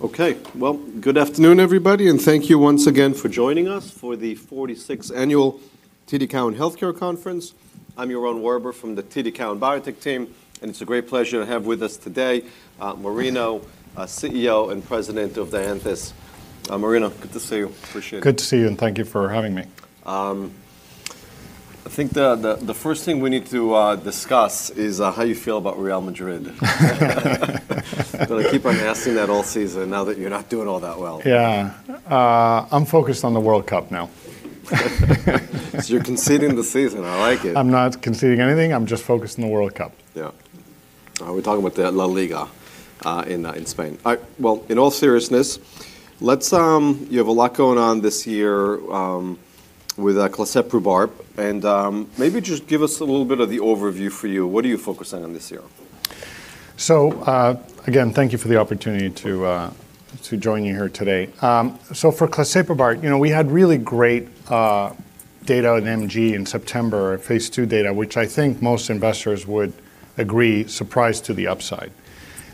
Okay. Well, good afternoon, everybody, and thank you once again for joining us for the 46th Annual TD Cowen Healthcare Conference. I'm Yaron Werber from the TD Cowen Biotech team, and it's a great pleasure to have with us today, Marino, CEO and President of Dianthus. Marino, good to see you. Appreciate it. Good to see you, and thank you for having me. I think the first thing we need to discuss is how you feel about Real Madrid. Gonna keep on asking that all season now that you're not doing all that well. Yeah. I'm focused on the World Cup now. You're conceding the season, I like it. I'm not conceding anything. I'm just focused on the World Cup. Yeah. We're talking about the La Liga in Spain. Well, in all seriousness, let's. You have a lot going on this year with pasitelefusp, and maybe just give us a little bit of the overview for you. What are you focusing on this year? Again, thank you for the opportunity to join you here today. For claseprubart, you know, we had really great data at MG in September, phase II data, which I think most investors would agree, surprise to the upside.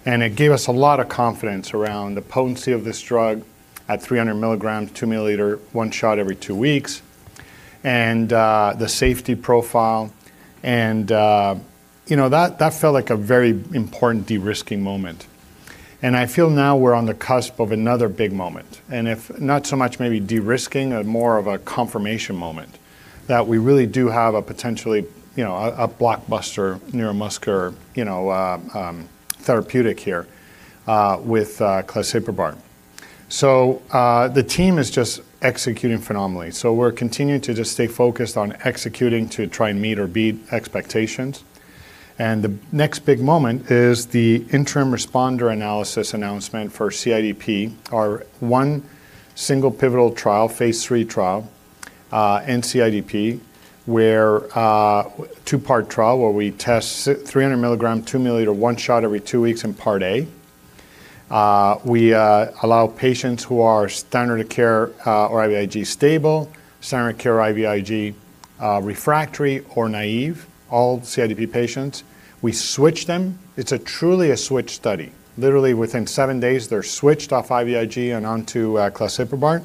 It gave us a lot of confidence around the potency of this drug at 300 mg, 2 milliliter, one shot every 2 weeks, and the safety profile. You know, that felt like a very important de-risking moment. I feel now we're on the cusp of another big moment. If not so much maybe de-risking, a more of a confirmation moment, that we really do have a potentially, you know, a blockbuster neuromuscular, you know, therapeutic here with claseprubart. The team is just executing phenomenally. We're continuing to just stay focused on executing to try and meet or beat expectations. The next big moment is the interim responder analysis announcement for CIDP. Our one single pivotal trial, phase III trial, in CIDP, where 2-part trial, where we test 300 mg, 2 milliliter, one shot every 2 weeks in part A. We allow patients who are standard care, or IVIG stable, standard care IVIG, refractory or naive, all CIDP patients. We switch them. It's a truly a switch study. Literally within 7 days, they're switched off IVIG and onto claseprubart.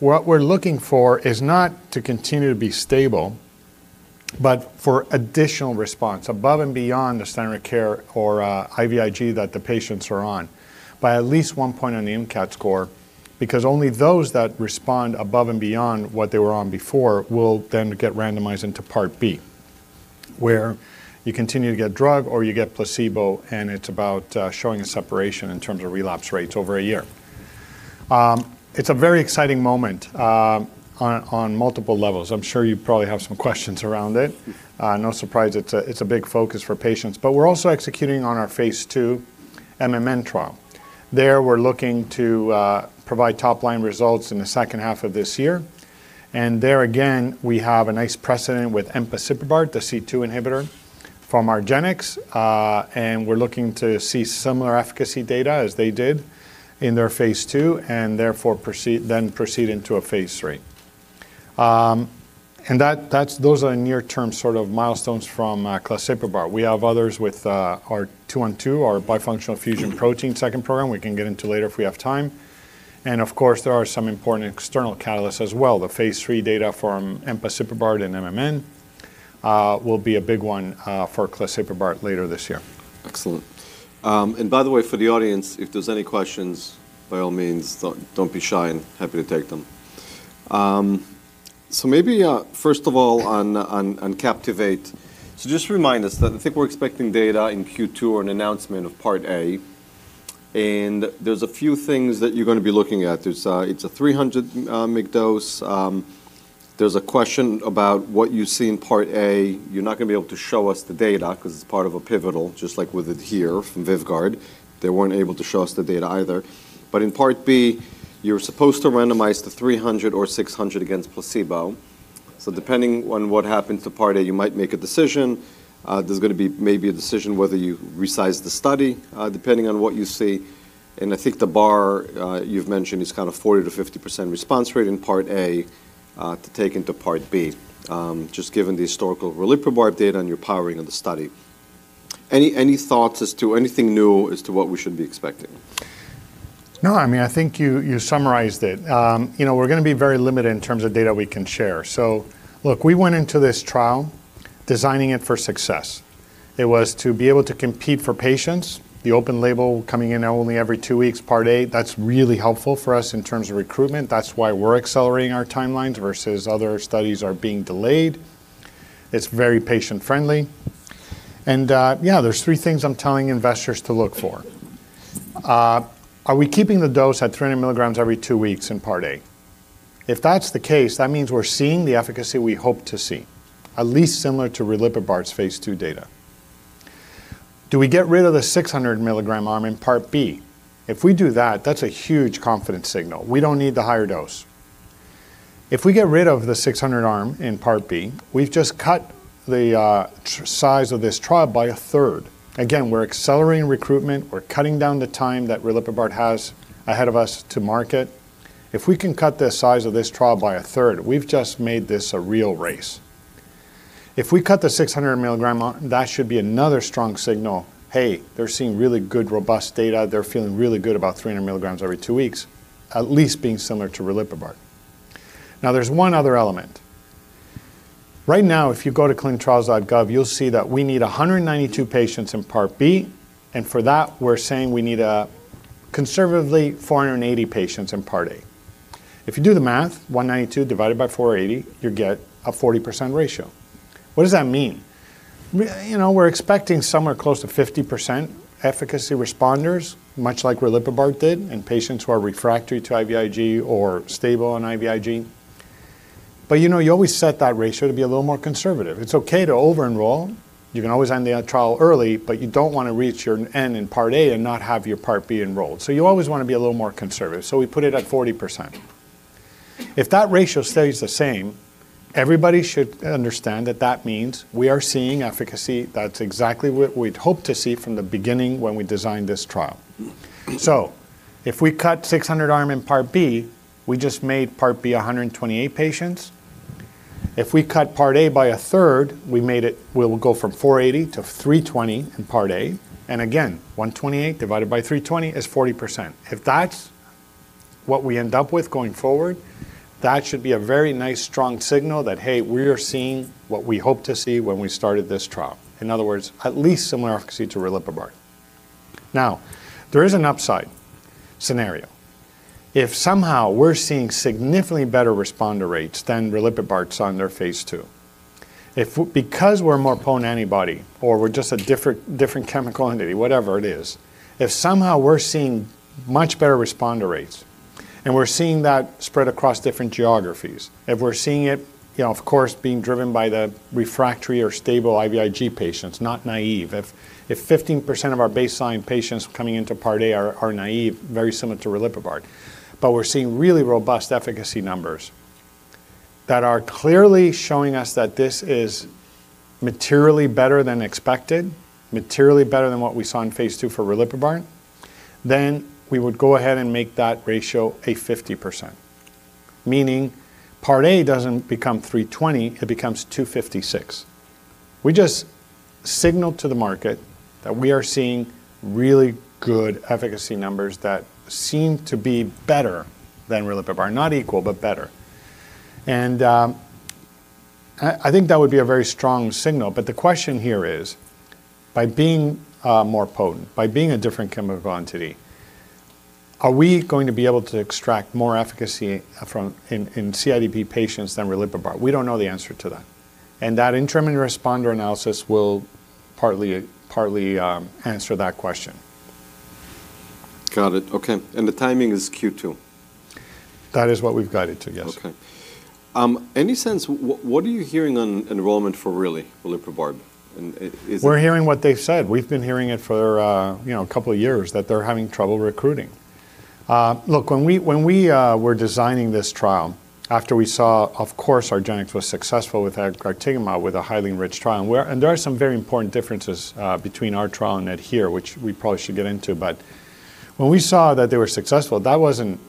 What we're looking for is not to continue to be stable, but for additional response above and beyond the standard care or IVIG that the patients are on by at least one point on the MGC score, because only those that respond above and beyond what they were on before will then get randomized into part B, where you continue to get drug or you get placebo, and it's about showing a separation in terms of relapse rates over a year. It's a very exciting moment on multiple levels. I'm sure you probably have some questions around it. No surprise it's a big focus for patients. We're also executing on our phase 2 MMN trial. There, we're looking to provide top-line results in the second half of this year, and there again, we have a nice precedent with empasiprubart, the C2 inhibitor from Argenx. We're looking to see similar efficacy data as they did in their phase II, then proceed into a phase III. Those are near-term sort of milestones from claseprubart. We have others with our two and two, our bifunctional fusion protein second program we can get into later if we have time. There are some important external catalysts as well. The phase 3 data from empasiprubart and MMN will be a big one for claseprubart later this year. Excellent. By the way, for the audience, if there's any questions, by all means, don't be shy and happy to take them. Maybe, first of all, on Maverick. Just remind us that I think we're expecting data in Q2 or an announcement of part A, there's a few things that you're gonna be looking at. There's, it's a 300 mg dose. There's a question about what you see in part A. You're not gonna be able to show us the data 'cause it's part of a pivotal, just like with ADHERE from VYVGART. They weren't able to show us the data either. In part B, you're supposed to randomize the 300 or 600 against placebo. Depending on what happens to part A, you might make a decision. There's gonna be maybe a decision whether you resize the study, depending on what you see. I think the bar, you've mentioned is kind of 40% to 50% response rate in part A, to take into part B, just given the historical claseprubart data and your powering of the study. Any thoughts as to anything new as to what we should be expecting? No, I mean, I think you summarized it. you know, we're gonna be very limited in terms of data we can share. Look, we went into this trial designing it for success. It was to be able to compete for patients, the open label coming in only every two weeks, part A. That's really helpful for us in terms of recruitment. That's why we're accelerating our timelines versus other studies are being delayed. It's very patient-friendly. Yeah, there's three things I'm telling investors to look for. Are we keeping the dose at 300 milligrams every two weeks in part A? If that's the case, that means we're seeing the efficacy we hope to see, at least similar to claseprubart's phase II data. Do we get rid of the 600 mg arm in part B? If we do that's a huge confidence signal. We don't need the higher dose. If we get rid of the 600 arm in Part B, we've just cut the size of this trial by a third. Again, we're accelerating recruitment. We're cutting down the time that claseprubart has ahead of us to market. If we can cut the size of this trial by a third, we've just made this a real race. If we cut the 600 mg, that should be another strong signal. Hey, they're seeing really good, robust data. They're feeling really good about 300 mg every 2 weeks, at least being similar to riliprubart. Now, there's one other element. Right now, if you go to ClinicalTrials.gov, you'll see that we need 192 patients in part B. For that, we're saying we need a conservatively 480 patients in part A. If you do the math, 192 divided by 480, you get a 40% ratio. What does that mean? You know, we're expecting somewhere close to 50% efficacy responders, much like riliprubart did in patients who are refractory to IVIG or stable on IVIG. You know, you always set that ratio to be a little more conservative. It's okay to over-enroll. You can always end the trial early, but you don't want to reach your N in part A and not have your part B enrolled. You always want to be a little more conservative. We put it at 40%. If that ratio stays the same, everybody should understand that that means we are seeing efficacy. That's exactly what we'd hoped to see from the beginning when we designed this trial. If we cut 600 arm in part B, we just made part B 128 patients. If we cut part A by a third, we will go from 480 to 320 in part A. Again, 128 divided by 320 is 40%. If that's what we end up with going forward, that should be a very nice, strong signal that, hey, we are seeing what we hoped to see when we started this trial. In other words, at least similar efficacy to riliprubart. There is an upside scenario. If somehow we're seeing significantly better responder rates than riliprubart's on their phase II, because we're a more potent antibody, or we're just a different chemical entity, whatever it is, if somehow we're seeing much better responder rates, and we're seeing that spread across different geographies, if we're seeing it, you know, of course, being driven by the refractory or stable IVIG patients, not naive. If 15% of our baseline patients coming into part A are naive, very similar to riliprubart, but we're seeing really robust efficacy numbers that are clearly showing us that this is materially better than expected, materially better than what we saw in phase II for riliprubart, then we would go ahead and make that ratio a 50%, meaning part A doesn't become 320, it becomes 256. We just signal to the market that we are seeing really good efficacy numbers that seem to be better than riliprubart, not equal, but better. I think that would be a very strong signal. The question here is, by being more potent, by being a different chemical entity, are we going to be able to extract more efficacy in CIDP patients than riliprubart? We don't know the answer to that. That interim and responder analysis will partly answer that question. Got it. Okay. The timing is Q2. That is what we've guided to, yes. Okay. Any sense what are you hearing on enrollment for really riliprubart? We're hearing what they said. We've been hearing it for, you know, a couple of years that they're having trouble recruiting. Look, when we, when we were designing this trial, after we saw, of course, Argenx was successful with efgartigimod with a highly enriched trial. There are some very important differences between our trial and that here, which we probably should get into. When we saw that they were successful, that wasn't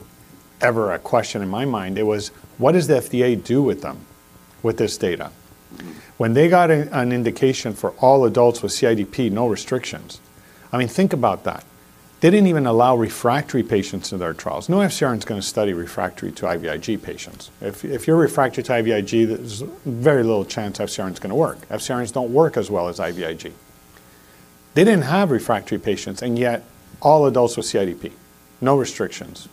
ever a question in my mind. It was, what does the FDA do with them, with this data? When they got an indication for all adults with CIDP, no restrictions. I mean, think about that. They didn't even allow refractory patients in their trials. No FcRn is gonna study refractory to IVIG patients. If you're refractory to IVIG, there's very little chance FcRn is gonna work. FcRns don't work as well as IVIG. Yet all adults with CIDP, no restrictions.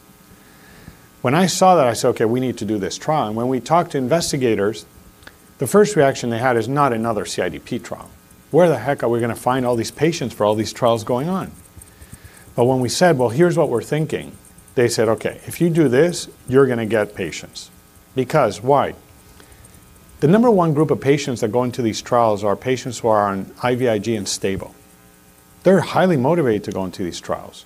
When I saw that, I said, "Okay, we need to do this trial." When we talked to investigators, the first reaction they had is not another CIDP trial. Where the heck are we gonna find all these patients for all these trials going on? When we said, "Well, here's what we're thinking," they said, "Okay, if you do this, you're gonna get patients." Because why? The number one group of patients that go into these trials are patients who are on IVIG and stable. They're highly motivated to go into these trials.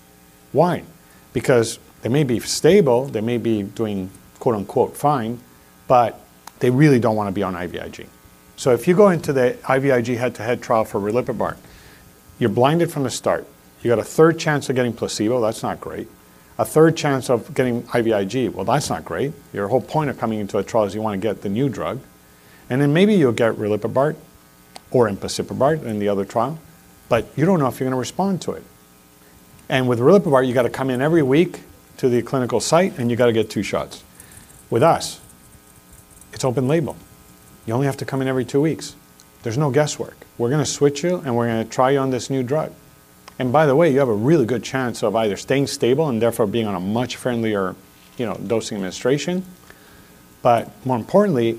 Why? Because they may be stable, they may be doing, quote-unquote, fine, but they really don't wanna be on IVIG. If you go into the IVIG head-to-head trial for riliprubart, you're blinded from the start. You got a third chance of getting placebo. That's not great. A third chance of getting IVIG. Well, that's not great. Your whole point of coming into a trial is you wanna get the new drug. Maybe you'll get riliprubart or empasiprubart in the other trial, but you don't know if you're gonna respond to it. With riliprubart, you gotta come in every week to the clinical site, and you gotta get two shots. With us, it's open label. You only have to come in every 2 weeks. There's no guesswork. We're gonna switch you, and we're gonna try you on this new drug. By the way, you have a really good chance of either staying stable and therefore being on a much friendlier, you know, dosing administration. More importantly,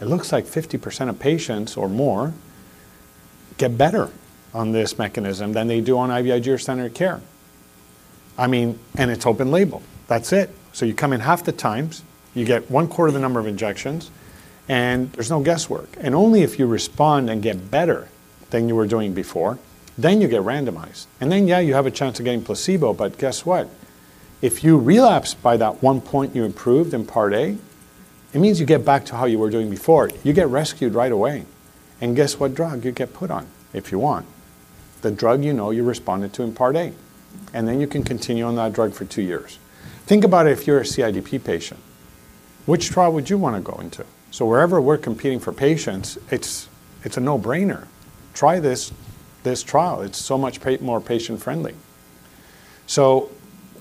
it looks like 50% of patients or more get better on this mechanism than they do on IVIG or standard care. I mean, it's open label. That's it. You come in half the times, you get one quarter the number of injections, and there's no guesswork. Only if you respond and get better than you were doing before, then you get randomized. Then, yeah, you have a chance of getting placebo, but guess what? If you relapse by that 1 point you improved in part A, it means you get back to how you were doing before. You get rescued right away. Guess what drug you get put on if you want? The drug you know you responded to in part A, then you can continue on that drug for 2 years. Think about if you're a CIDP patient. Which trial would you wanna go into? Wherever we're competing for patients, it's a no-brainer. Try this trial. It's so much more patient-friendly.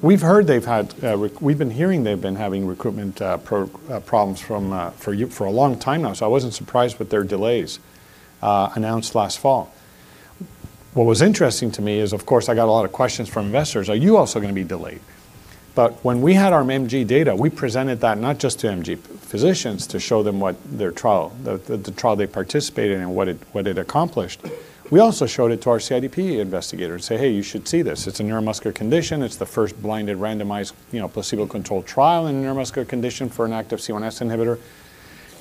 We've heard they've had, we've been hearing they've been having recruitment problems for a long time now, so I wasn't surprised with their delays announced last fall. What was interesting to me is, of course, I got a lot of questions from investors. "Are you also gonna be delayed?" When we had our MG data, we presented that not just to MG physicians to show them what their trial, the trial they participated in and what it accomplished. We also showed it to our CIDP investigators. Say, "Hey, you should see this. It's a neuromuscular condition. It's the first blinded, randomized, you know, placebo-controlled trial in a neuromuscular condition for an active C1s inhibitor.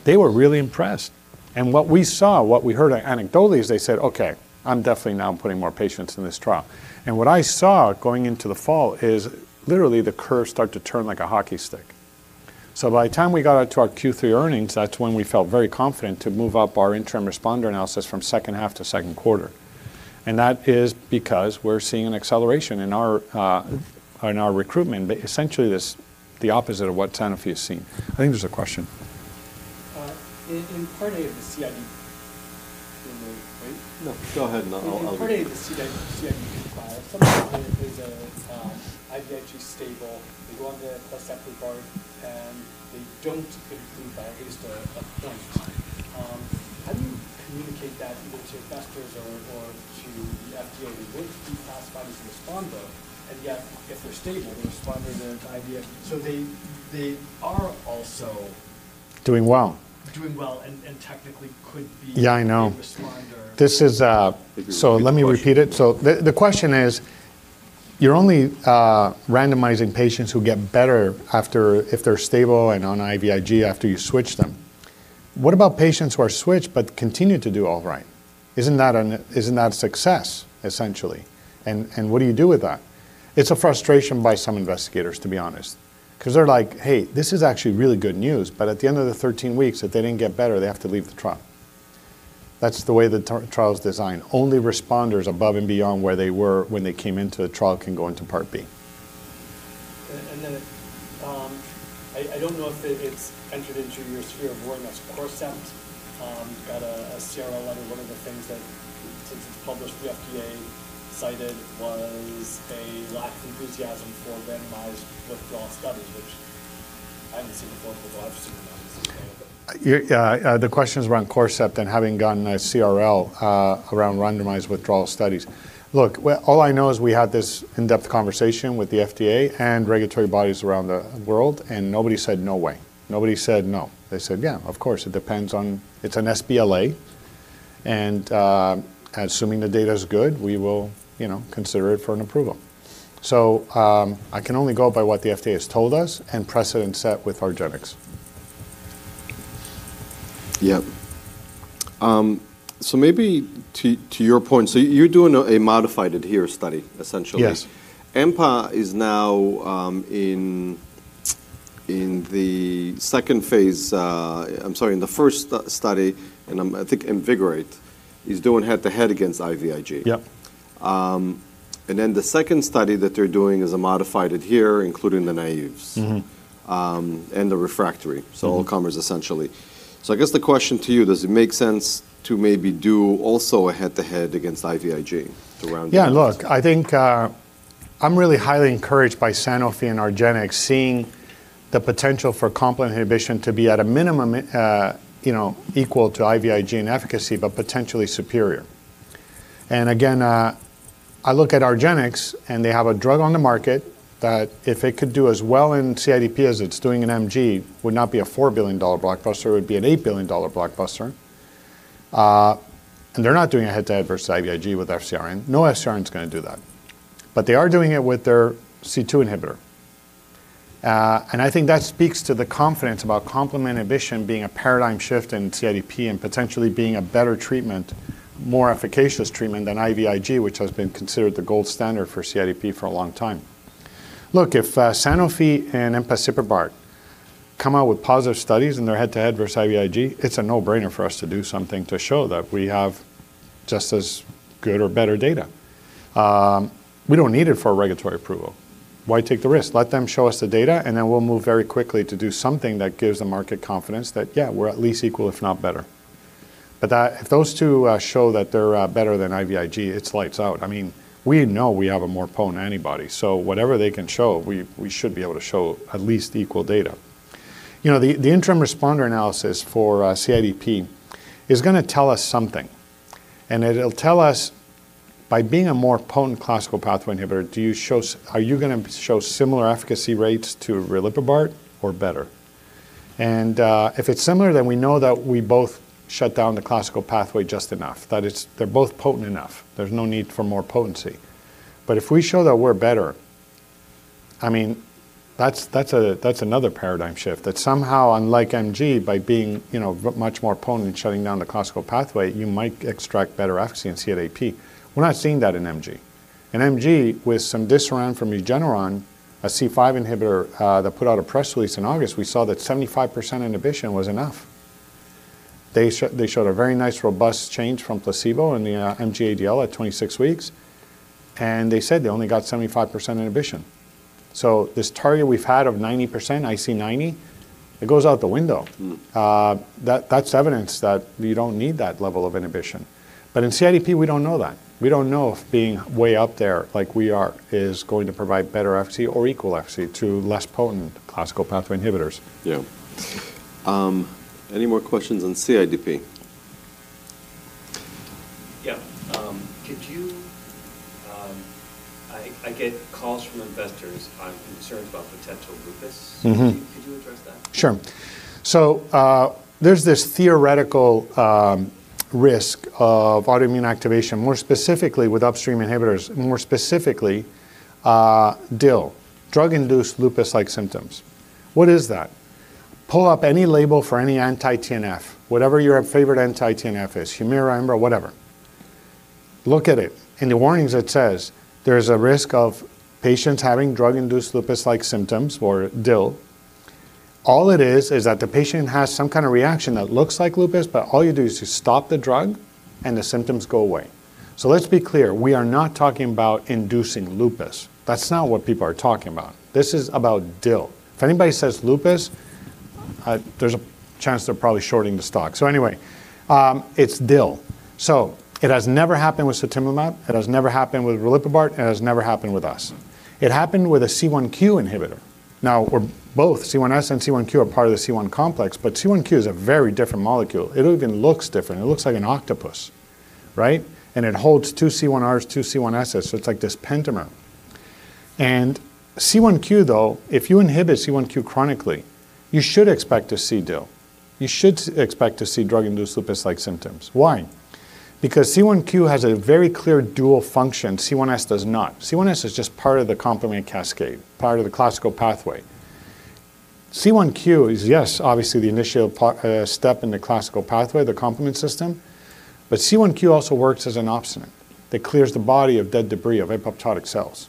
They were really impressed. What we saw, what we heard anecdotally is they said, "Okay, I'm definitely now putting more patients in this trial." What I saw going into the fall is literally the curve start to turn like a hockey stick. By the time we got out to our Q3 earnings, that's when we felt very confident to move up our interim responder analysis from second half to second quarter. That is because we're seeing an acceleration in our in our recruitment, but essentially this, the opposite of what Sanofi is seeing. I think there's a question. In part A of the CID... Wait. No, go ahead and I'll. In part A of the CID-CIDP trial, someone is IVIg stable. They go on the plus separate part, they don't improve by at least a point. How do you communicate that either to investors or to the FDA? They wouldn't be classified as a responder, and yet if they're stable, they're responding to IVIG. They are also- Doing well. Doing well and technically. Yeah, I know. ...A responder. This is. Let me repeat it. The question is, you're only randomizing patients who get better after... if they're stable and on IVIG after you switch them. What about patients who are switched but continue to do all right? Isn't that a success, essentially? What do you do with that? It's a frustration by some investigators, to be honest. 'Cause they're like, "Hey, this is actually really good news," but at the end of the 13 weeks, if they didn't get better, they have to leave the trial. That's the way the trial's designed. Only responders above and beyond where they were when they came into the trial can go into Part B. I don't know if it's entered into your sphere of awareness. Corcept got a CRL letter. One of the things that since it's published the FDA cited was a lack enthusiasm for randomized withdrawal studies, which I haven't seen before, but I've seen- Yeah. The question is around Corcept and having gotten a CRL, around randomized withdrawal studies. Look, well, all I know is we had this in-depth conversation with the FDA and regulatory bodies around the world, and nobody said no way. Nobody said no. They said, "Yeah, of course," it depends on... It's an sBLA, assuming the data is good, we will, you know, consider it for an approval. I can only go by what the FDA has told us and precedent set with Argenx. Yeah. Maybe to your point, so you're doing a modified ADHERE study, essentially. Yes. EMPA is now in the second phase, I'm sorry, in the first study, and I think INVIGORATE is doing head-to-head against IVIG. Yep. Then the second study that they're doing is a modified ADHERE, including the naives. Mm-hmm ...And the refractory. Mm-hmm. All comers, essentially. I guess the question to you, does it make sense to maybe do also a head-to-head against IVIG around-? Yeah, look, I think, I'm really highly encouraged by Sanofi and Argenx seeing the potential for complement inhibition to be at a minimum, you know, equal to IVIG in efficacy, but potentially superior. Again, I look at Argenx, and they have a drug on the market that if it could do as well in CIDP as it's doing in MG, would not be a $4 billion blockbuster, it would be an $8 billion blockbuster. They're not doing a head-to-head versus IVIG with FcRn. No FcRn's gonna do that. They are doing it with their C2 inhibitor. I think that speaks to the confidence about complement inhibition being a paradigm shift in CIDP and potentially being a better treatment, more efficacious treatment than IVIG, which has been considered the gold standard for CIDP for a long time. Look, if Sanofi and empasiprubart come out with positive studies in their head-to-head versus IVIG, it's a no-brainer for us to do something to show that we have just as good or better data. We don't need it for regulatory approval. Why take the risk? Let them show us the data, and then we'll move very quickly to do something that gives the market confidence that, yeah, we're at least equal, if not better. That, if those two show that they're better than IVIG, it's lights out. I mean, we know we have a more potent antibody, so whatever they can show, we should be able to show at least equal data. You know, the interim responder analysis for CIDP is gonna tell us something, it'll tell us by being a more potent classical pathway inhibitor, do you show are you gonna show similar efficacy rates to riliprubart or better? If it's similar, then we know that we both shut down the classical pathway just enough, that it's, they're both potent enough. There's no need for more potency. If we show that we're better, I mean, that's a, that's another paradigm shift, that somehow, unlike MG, by being, you know, much more potent in shutting down the classical pathway, you might extract better efficacy in CIDP. We're not seeing that in MG. In MG, with some disarray from Regeneron, a C5 inhibitor, that put out a press release in August, we saw that 75% inhibition was enough. They showed a very nice robust change from placebo in the MG-ADL at 26 weeks, and they said they only got 75% inhibition. This target we've had of 90%, IC90, it goes out the window. Mm. That's evidence that you don't need that level of inhibition. In CIDP, we don't know that. We don't know if being way up there like we are is going to provide better FC or equal FC to less potent classical pathway inhibitors. Any more questions on CIDP? Yeah. I get calls from investors on concerns about potential lupus- Mm-hmm. Could you address that? Sure. There's this theoretical risk of autoimmune activation, more specifically with upstream inhibitors, and more specifically, DILS, drug-induced lupus-like symptoms. What is that? Pull up any label for any anti-TNF, whatever your favorite anti-TNF is, HUMIRA, Enbrel, whatever. Look at it. In the warnings it says, "There's a risk of patients having drug-induced lupus-like symptoms or DILS." All it is that the patient has some kind of reaction that looks like lupus, but all you do is you stop the drug, and the symptoms go away. Let's be clear. We are not talking about inducing lupus. That's not what people are talking about. This is about DILS. If anybody says lupus, there's a chance they're probably shorting the stock. It's DILS. It has never happened with sotrovimab, it has never happened with riliprubart, and it has never happened with us. It happened with a C1q inhibitor. Both C1s and C1q are part of the C1 complex, but C1q is a very different molecule. It even looks different. It looks like an octopus, right? It holds two C1rs, two C1ss, so it's like this pentamer. C1q, though, if you inhibit C1q chronically, you should expect to see DILS. You should expect to see drug-induced lupus-like symptoms. Why? Because C1q has a very clear dual function C1s does not. C1s is just part of the complement cascade, part of the classical pathway. C1q is, yes, obviously the initial step in the classical pathway, the complement system, but C1q also works as an opsonin that clears the body of dead debris of apoptotic cells.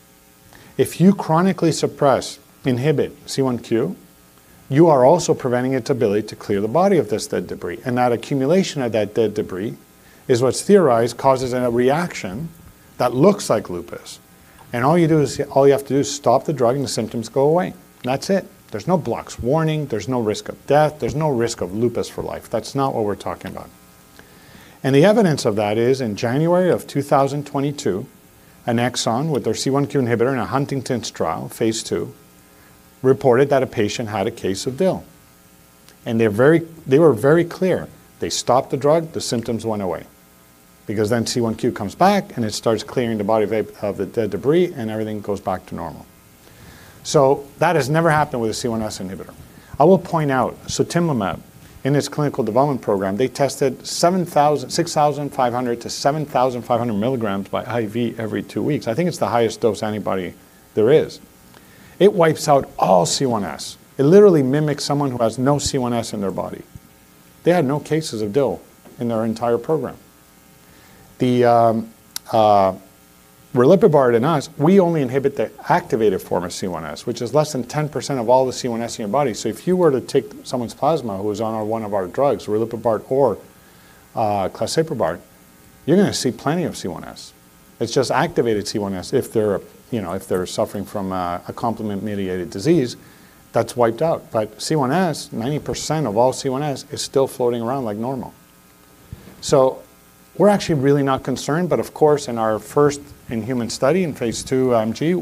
If you chronically suppress, inhibit C1q, you are also preventing its ability to clear the body of this dead debris. That accumulation of that dead debris is what's theorized causes a reaction that looks like lupus. All you have to do is stop the drug, and the symptoms go away. That's it. There's no black box warning, there's no risk of death, there's no risk of lupus for life. That's not what we're talking about. The evidence of that is in January 2022, Annexon with their C1q inhibitor in a Huntington's trial, phase II, reported that a patient had a case of DILS. They were very clear. They stopped the drug, the symptoms went away. C1q comes back, and it starts clearing the body of the dead debris, and everything goes back to normal. That has never happened with a C1s inhibitor. I will point out, sotrovimab in its clinical development program, they tested 6,500-7,500 milligrams by IV every 2 weeks. I think it's the highest dose antibody there is. It wipes out all C1s. It literally mimics someone who has no C1s in their body. They had no cases of DILS in their entire program. The riliprubart in us, we only inhibit the activated form of C1s, which is less than 10% of all the C1s in your body. If you were to take someone's plasma who was on one of our drugs, riliprubart or claseprubart, you're gonna see plenty of C1s. It's just activated C1s if they're, you know, if they're suffering from a complement-mediated disease that's wiped out. C1s, 90% of all C1s is still floating around like normal. We're actually really not concerned, but of course, in our first in-human study in phase II UM-G,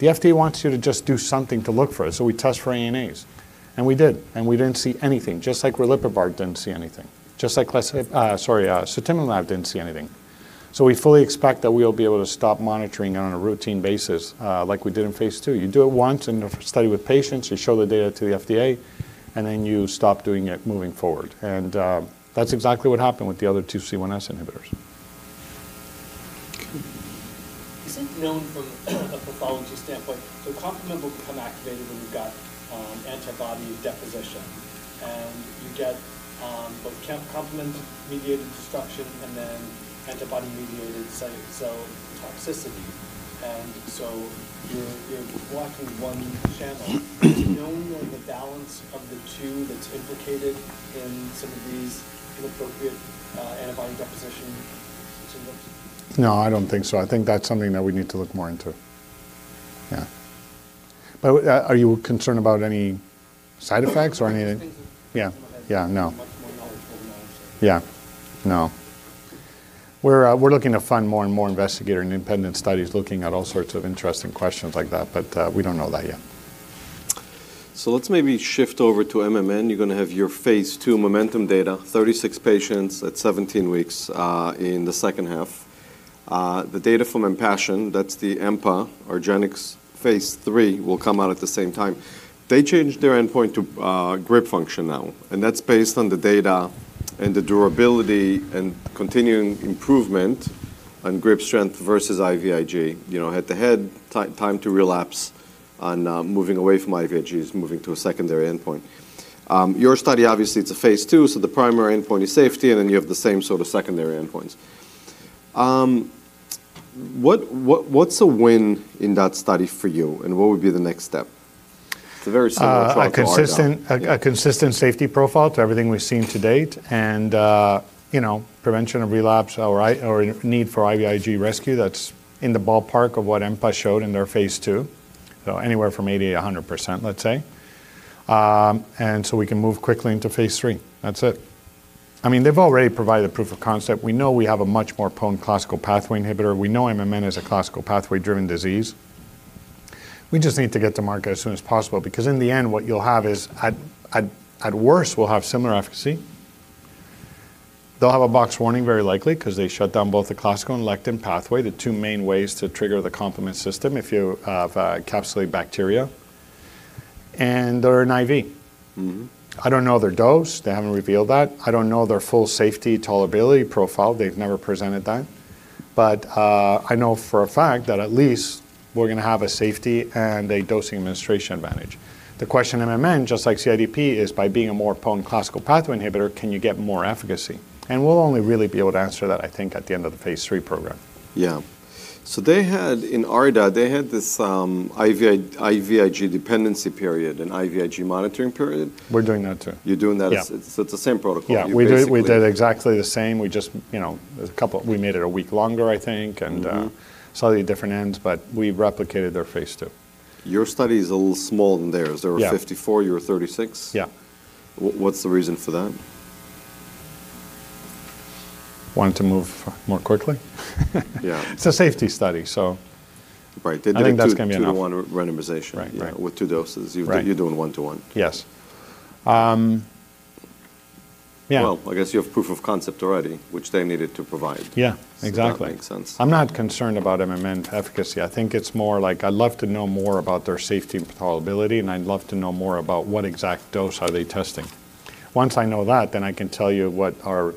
the FDA wants you to just do something to look for it. We test for ANAs. We did. We didn't see anything, just like riliprubart didn't see anything, just like sotrovimab didn't see anything. We fully expect that we'll be able to stop monitoring it on a routine basis, like we did in phase II. You do it once in a study with patients, you show the data to the FDA, then you stop doing it moving forward. That's exactly what happened with the other two C1s inhibitors. Is it known from a pathology standpoint? Complement will become activated when you've got antibody deposition, and you get both complement-mediated destruction and then antibody-mediated cytotoxicity. You're blocking one channel. Do you know the balance of the two that's implicated in some of these inappropriate antibody deposition symptoms? No, I don't think so. I think that's something that we need to look more into. Yeah. Are you concerned about any side effects or? I just think. Yeah. Yeah, no. Much more knowledge than we know. Yeah. No. We're looking to fund more and more investigator and independent studies looking at all sorts of interesting questions like that, but we don't know that yet. Let's maybe shift over to MMN. You're gonna have your phase II MoMeNtum data, 36 patients at 17 weeks, in the second half. The data from Empassion, that's the EMPA or Argenx phase III, will come out at the same time. They changed their endpoint to grip function now, and that's based on the data and the durability and continuing improvement on grip strength versus IVIG. You know, head to head, time to relapse on moving away from IVIGs, moving to a secondary endpoint. Your study, obviously, it's a phase II, so the primary endpoint is safety, and then you have the same sort of secondary endpoints. What's a win in that study for you, and what would be the next step? It's a very similar trial to ARDA. A consistent safety profile to everything we've seen to date, and, you know, prevention of relapse or need for IVIG rescue that's in the ballpark of what EMPA showed in their phase II, so anywhere from 80, 100%, let's say. So we can move quickly into phase III. That's it. I mean, they've already provided a proof of concept. We know we have a much more prone classical pathway inhibitor. We know MMN is a classical pathway-driven disease. We just need to get to market as soon as possible because in the end, what you'll have is at worst, we'll have similar efficacy. They'll have a box warning very likely 'cause they shut down both the classical and lectin pathway, the two main ways to trigger the complement system if you have Encapsulated bacteria. They're an IV. Mm-hmm. I don't know their dose. They haven't revealed that. I don't know their full safety tolerability profile. They've never presented that. I know for a fact that at least we're gonna have a safety and a dosing administration advantage. The question MMN, just like CIDP, is by being a more prone classical pathway inhibitor, can you get more efficacy? We'll only really be able to answer that, I think, at the end of the phase III program. Yeah. In ARDA, they had this IVIG dependency period and IVIG monitoring period. We're doing that too. You're doing that. Yeah. It's the same protocol. Yeah. You basically. We did exactly the same. We just, you know, we made it a week longer, I think. Mm-hmm. Slightly different ends, but we replicated their phase two. Your study is a little smaller than theirs. Yeah. There was 54, you're 36. Yeah. What's the reason for that? Wanted to move more quickly. Yeah. It's a safety study. Right. They did like two- I think that's gonna be enough.... 2:1 randomization. Right. Yeah. With two doses. Right. You're doing one to one. Yes. Yeah. Well, I guess you have proof of concept already, which they needed to provide. Yeah, exactly. That makes sense. I'm not concerned about MMN efficacy. I think it's more like I'd love to know more about their safety and tolerability, and I'd love to know more about what exact dose are they testing. Once I know that, then I can tell you what our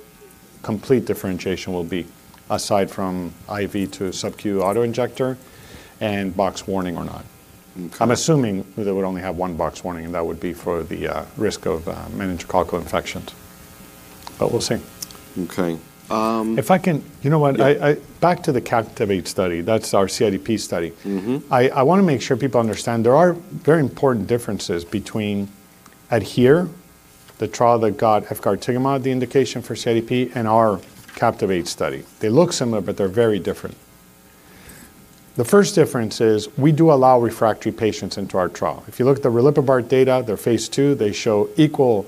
complete differentiation will be aside from IV to subcutaneous auto-injector and box warning or not. Okay. I'm assuming they would only have one box warning, and that would be for the risk of meningococcal infections. We'll see. Okay. If I can... You know what? Yeah. I back to the CAPTIVATE study. That's our CIDP study. Mm-hmm. I wanna make sure people understand there are very important differences between ADHERE, the trial that got efgartigimod, the indication for CIDP, and our CAPTIVATE study. They look similar, they're very different. The first difference is we do allow refractory patients into our trial. If you look at the riliprubart data, their phase II, they show equal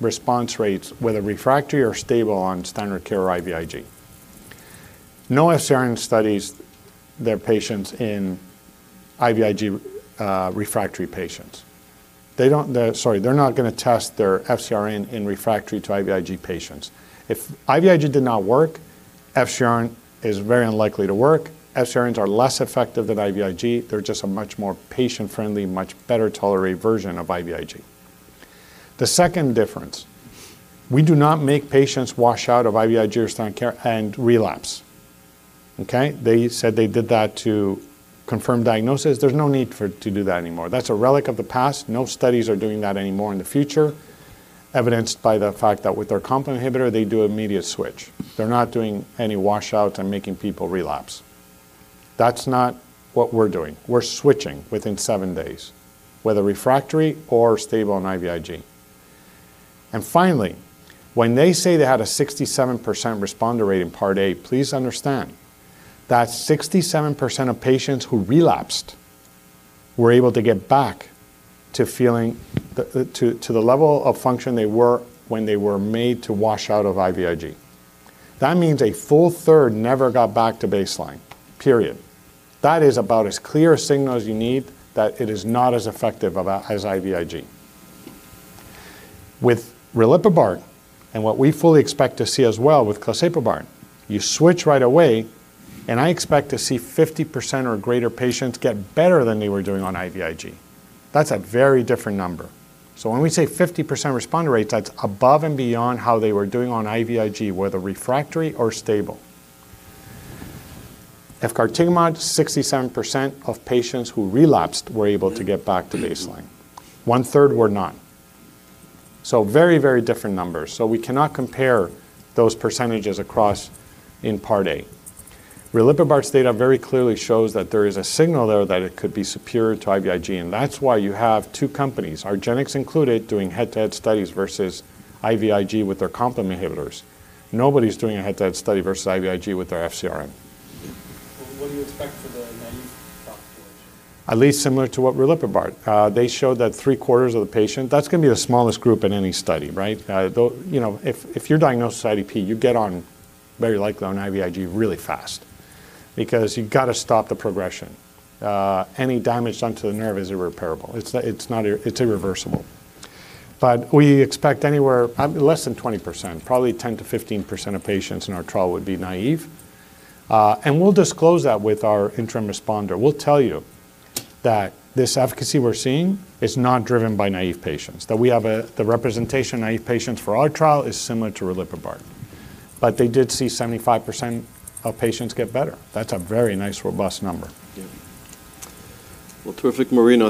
response rates, whether refractory or stable on standard care or IVIG. No FcRn studies their patients in IVIG refractory patients. They're sorry. They're not gonna test their FcRn in refractory to IVIG patients. If IVIG did not work, FcRn is very unlikely to work. FcRns are less effective than IVIG. They're just a much more patient-friendly, much better tolerated version of IVIG. The second difference, we do not make patients wash out of IVIG or standard care and relapse. Okay? They said they did that to confirm diagnosis. There's no need to do that anymore. That's a relic of the past. No studies are doing that anymore in the future, evidenced by the fact that with their complement inhibitor, they do immediate switch. They're not doing any washout and making people relapse. That's not what we're doing. We're switching within 7 days, whether refractory or stable on IVIG. Finally, when they say they had a 67% responder rate in part A, please understand that 67% of patients who relapsed were able to get back to feeling the level of function they were when they were made to wash out of IVIG. That means a full third never got back to baseline, period. That is about as clear a signal as you need that it is not as effective as IVIG. With riliprubart, what we fully expect to see as well with claseprubart, you switch right away. I expect to see 50% or greater patients get better than they were doing on IVIG. That's a very different number. When we say 50% responder rates, that's above and beyond how they were doing on IVIG, whether refractory or stable. efgartigimod, 67% of patients who relapsed were able to get back to baseline. One third were not. Very different numbers. We cannot compare those percentages across in part A. Riliprubart's data very clearly shows that there is a signal there that it could be superior to IVIG. That's why you have two companies, Argenx included, doing head-to-head studies versus IVIG with their complement inhibitors. Nobody's doing a head-to-head study versus IVIG with their FcRn. Mm-hmm. What do you expect for the naive population? At least similar to what riliprubart. They showed that three-quarters of the patient... That's gonna be the smallest group in any study, right? Though, you know, if you're diagnosed with CIDP, you get on very likely on IVIG really fast because you've got to stop the progression. Any damage done to the nerve is irreparable. It's not, it's irreversible. We expect anywhere less than 20%, probably 10%-15% of patients in our trial would be naive. We'll disclose that with our interim responder. We'll tell you that this efficacy we're seeing is not driven by naive patients, that we have the representation of naive patients for our trial is similar to riliprubart. They did see 75% of patients get better. That's a very nice, robust number. Yeah. Well, terrific, Marino.